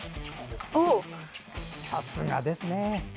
さすがですね。